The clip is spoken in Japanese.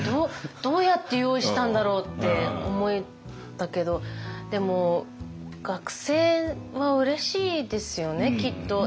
どうやって用意したんだろうって思ったけどでも学生はうれしいですよねきっと。